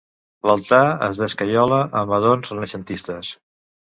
L'altar és d'escaiola, amb adorns renaixentistes.